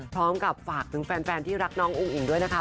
พร้อมกับฝากถึงแฟนที่รักน้องอุ้งอิ๋งด้วยนะคะ